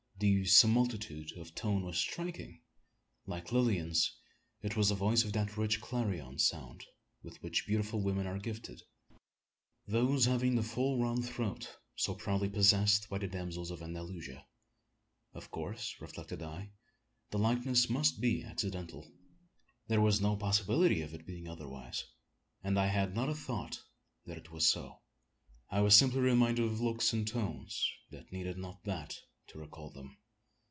The similitude of tone was striking. Like Lilian's, it was a voice of that rich clarion sound with which beautiful women are gifted those having the full round throat so proudly possessed by the damsels of Andalusia. Of course, reflected I, the likeness must be accidental. There was no possibility of its being otherwise; and I had not a thought that it was so. I was simply reminded of looks and tones that needed not that to recall them.